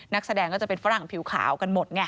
นักแสดงก็จะเป็นฝรั่งผิวขาวกันหมดไง